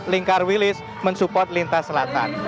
lingkar wilis mensupport lintas selatan